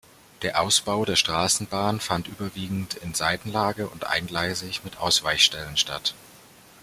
Der Ausbau der Straßenbahn fand überwiegend in Seitenlage und eingleisig mit Ausweichstellen statt.